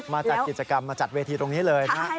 มาจัดกิจกรรมมาจัดเวทีตรงนี้เลยนะ